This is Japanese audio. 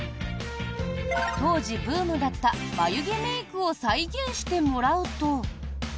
当時、ブームだった眉毛メイクを再現してもらうと。